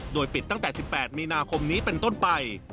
โดยปิดตั้งแต่๑๘มีนาคมนี้เป็นต้นไป